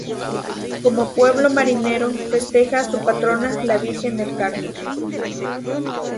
Como pueblo marinero, festeja a su patrona, la Virgen del Carmen.